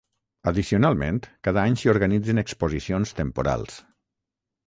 Addicionalment, cada any s'hi organitzen exposicions temporals.